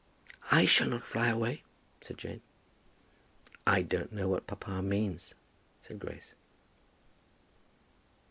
"I shall not fly away," said Jane. "I don't know what papa means," said Grace.